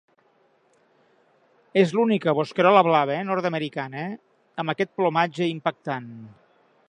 És l'única bosquerola blava nord-americana amb aquest plomatge impactant.